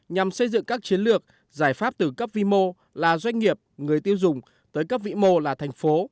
nhằm xây dựng các chiến lược giải pháp từ cấp vi mô là doanh nghiệp người tiêu dùng tới cấp vĩ mô là thành phố